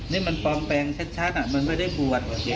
นี่มันปลอมแปลงชัดมันไม่ได้บวช